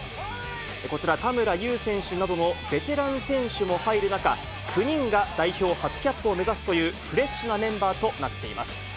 こちら、田村優選手などのベテラン選手も入る中、９人が代表初キャップを目指すというフレッシュなメンバーとなっています。